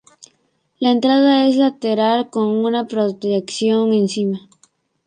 La entrada es lateral, con una protección encima.